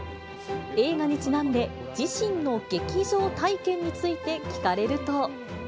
映画にちなんで、自身の劇場体験について聞かれると。